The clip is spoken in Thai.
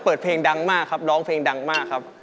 เปิดเพลงดังมากครับร้องเพลงดังมากครับ